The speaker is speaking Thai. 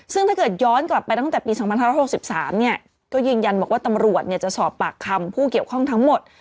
ซึ่งถ้าเกิดย้อนกลับไปตั้งแต่ปีสองพันห้าร้อยสิบสามเนี่ยก็ยืนยันบอกว่าตำรวจเนี่ยจะสอบปากคำผู้เกี่ยวข้องทั้งหมด